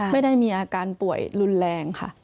ไม่ได้มีอาการป่วยรุนแรงค่ะ